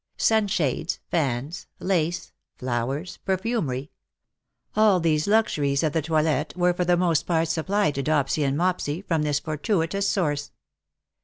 Sunshades, fans, lace, flowers, perfumery — all these luxuries of the toilet were for the most part supplied to Dopsy and Mopsy from this fortuitous source.